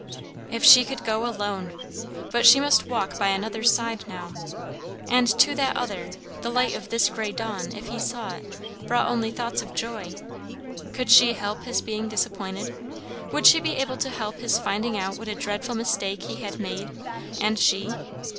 If she could go alone! But she must walk by another's side now. And to that other, the light of this grey dawn, if he saw it, brought only thoughts of joy. Could she help his being disappointed? Would she be able to help his finding out what a dreadful mistake he had made, and she?